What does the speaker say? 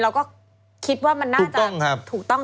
เราก็คิดว่ามันน่าจะถูกต้องทุกอย่าง